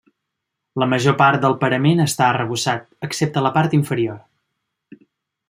La major part del parament està arrebossat, excepte la part inferior.